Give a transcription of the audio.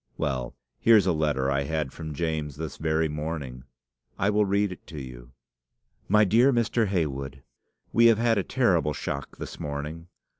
Well, here's a letter I had from James this very morning. I will read it to you. "'MY DEAR MR. HEYWOOD, We have had a terrible \shock this morning.